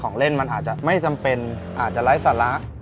ของเล่นมันอาจจะไม่จำเป็นอาจจะไร้สาระ